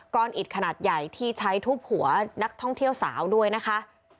อิดขนาดใหญ่ที่ใช้ทุบหัวนักท่องเที่ยวสาวด้วยนะคะ